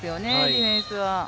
ディフェンスは。